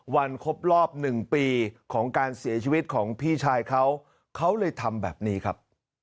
วันครบรอบหนึ่งปีของการเสียชีวิตของพี่ชายเขาเขาเลยทำแบบนี้ครับ